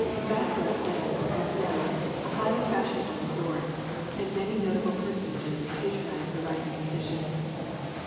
Bath was then, as now, a highly fashionable resort, and many notable personages patronised the rising musician.